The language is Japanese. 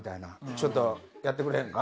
「ちょっとやってくれへんか？」